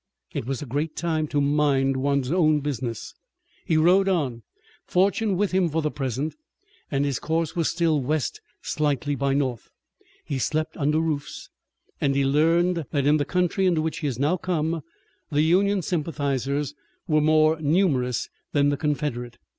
It was a great time to mind one's own business. He rode on, fortune with him for the present, and his course was still west slightly by north. He slept under roofs, and he learned that in the country into which he had now come the Union sympathizers were more numerous than the Confederate.